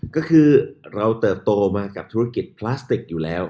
ก็คือเราเติบโตมากับธุรกิจพลาสติกอยู่แล้ว